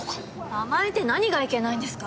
甘えて何がいけないんですか？